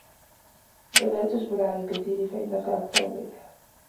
وَلَا تَجْبُنْ عَنْ الْكَثِيرِ فَإِنَّك أَكْثَرُ مِنْهُ